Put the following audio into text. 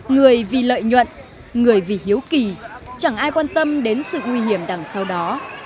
người vì lợi nhuận người vì hiếu kỳ chẳng ai quan tâm đến sự nguy hiểm đằng sau đó